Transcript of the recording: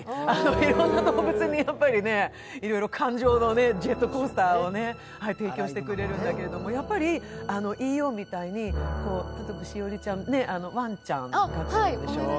いろんな動物にいろいろ感情のジェットコースターを提供してくれるんだけど、やっぱりＥＯみたいに、栞里ちゃんはワンちゃんを飼ってるでしょ。